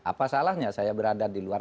apa salahnya saya berada di luar